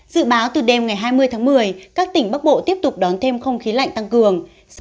dự báo từ đêm ngày hai mươi tháng một mươi các tỉnh bắc bộ tiếp tục đón thêm không khí lạnh tăng cường